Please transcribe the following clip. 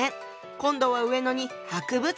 今度は上野に博物館が。